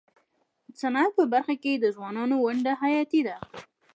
د صنعت په برخه کي د ځوانانو ونډه حیاتي ده.